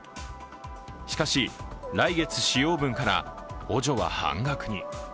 しかし、来月使用分から補助は半額に。